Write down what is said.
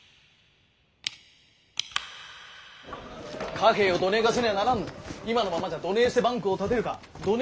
貨幣をどねえかせにゃあならんのに今のままじゃどねえしてバンクを建てるかどね